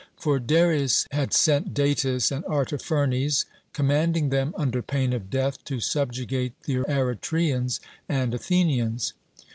For Darius had sent Datis and Artaphernes, commanding them under pain of death to subjugate the Eretrians and Athenians.